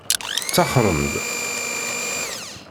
Taxxṛem-d?